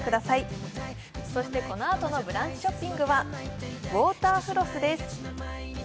そしてこのあとのブランチショッピングはウォーターフロスです。